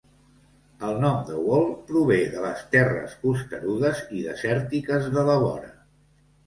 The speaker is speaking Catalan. El nom de Wall prové de les terres costerudes i desèrtiques de la vora.